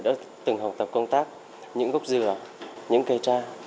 tôi đã từng học tập công tác những gốc dừa những cây tra